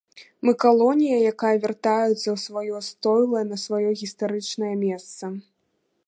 Мы калонія, якая вяртаецца ў сваё стойла, на сваё гістарычнае месца.